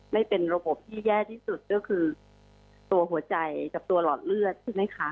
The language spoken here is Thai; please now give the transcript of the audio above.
ไม่เป็นระบบที่แย่ที่สุดก็คือตัวหัวใจกับตัวหลอดเลือดใช่ไหมคะ